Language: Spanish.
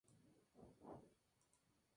Cuatro ofensivas y cuatro defensivas.